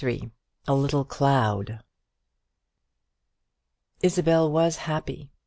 A LITTLE CLOUD. Isabel was happy.